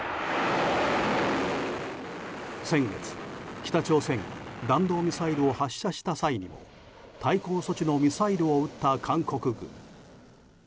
先月、北朝鮮が弾道ミサイルを発射した際にも対抗措置のミサイルを撃った韓国軍。